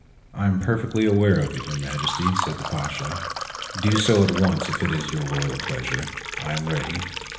" "I am perfectly aware of it, Your Majesty," said the Pasha. "Do so at once if it is your royal pleasure. I am ready."